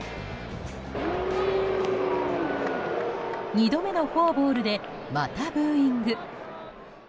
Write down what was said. ２度目のフォアボールでまたブーイング。